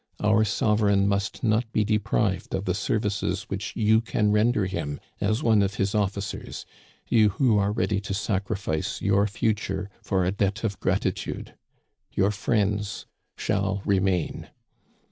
Our sovereign must not be deprived of the services which you can render him as one of his officers, you who are ready to sacrifice your future for a debt of gratitude. Your friends shall remain.'